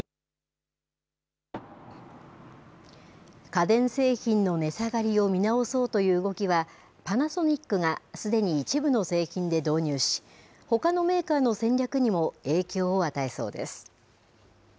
家電製品の値下がりを見直そうという動きは、パナソニックがすでに一部の製品で導入し、ほかのメーカーの戦略にも影響を与えそうです。